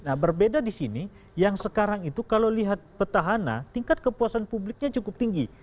nah berbeda di sini yang sekarang itu kalau lihat petahana tingkat kepuasan publiknya cukup tinggi